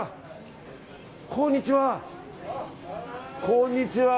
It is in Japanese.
こんにちは！